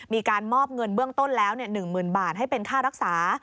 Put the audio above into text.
มีการมอบเงินเบื้องต้นแล้ว๑๐๐๐บาทให้เป็นค่ารักษา